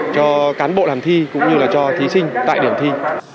cho cán bộ làm thi cũng như là cho thí sinh tại điểm thi